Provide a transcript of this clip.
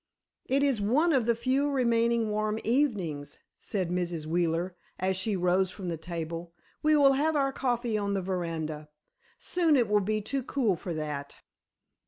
"It is one of the few remaining warm evenings," said Mrs. Wheeler, as she rose from the table, "we will have our coffee on the veranda. Soon it will be too cool for that."